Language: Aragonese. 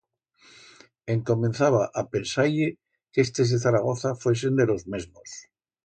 Encomenzaba a pensar-ie que estes de Zaragoza fuesen de los mesmos.